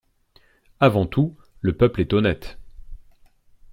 Avant tout, le peuple est honnête!